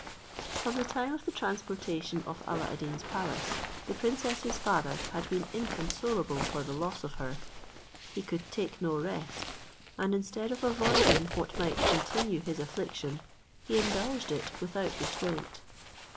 >From the time of the transportation of Alla ad Deen's palace, the princess's father had been inconsolable for the loss of her. He could take no rest, and instead of avoiding what might continue his affliction, he indulged it without restraint.